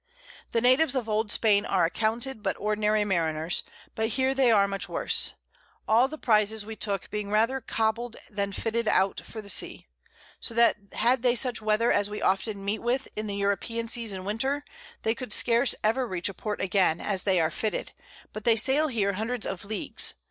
The Natives of Old Spain are accounted but ordinary Mariners, but here they are much worse; all the Prizes we took being rather cobled than fitted out for the Sea: So that had they such Weather as we often meet with in the European Seas in Winter, they could scarce ever reach a Port again, as they are fitted, but they sail here hundreds of Leagues.